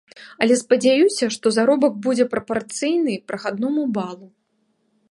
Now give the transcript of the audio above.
Але спадзяюся, што заробак будзе прапарцыйны прахадному балу.